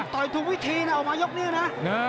ต่อยทุกวิธีนะออกมายกนี้นะ